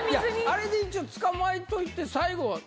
あれで一応捕まえといて最後は。